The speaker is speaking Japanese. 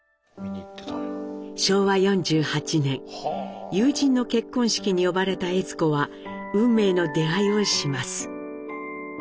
昭和４８年友人の結婚式に呼ばれた悦子は運命の出会いをします。